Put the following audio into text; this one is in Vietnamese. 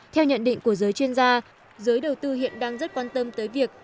theo nhận định của giới chuyên gia giới đầu tư hiện đang rất quan tâm tới việc